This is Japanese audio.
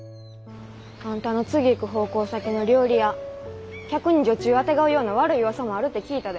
あんたの次行く奉公先の料理屋客に女中あてがうような悪い噂もあるて聞いたで。